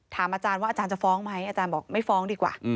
อาจารย์ว่าอาจารย์จะฟ้องไหมอาจารย์บอกไม่ฟ้องดีกว่า